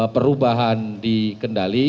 perubahan di kendali